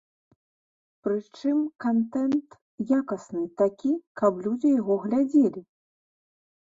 Прычым, кантэнт якасны, такі, каб людзі яго глядзелі?